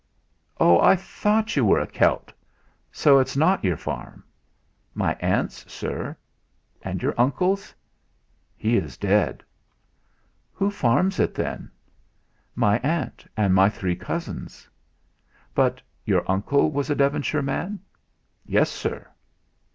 "Ah! I thought you were a Celt; so it's not your farm?" "My aunt's, sir." "And your uncle's?" "He is dead." "Who farms it, then?" "My aunt, and my three cousins." "But your uncle was a Devonshire man?" "Yes, Sir."